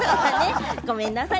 ごめんなさい。